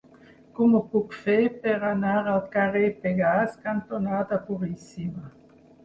Com ho puc fer per anar al carrer Pegàs cantonada Puríssima?